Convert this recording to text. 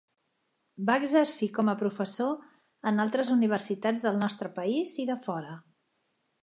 Va exercir com a professor en altres universitats del nostre país i de fora.